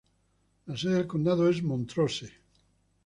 La sede del condado es Montrose.